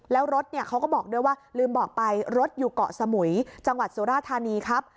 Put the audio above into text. ลืมบอกไปรถอยู่เกาะสมุยจังหวัดสุรธานีครับ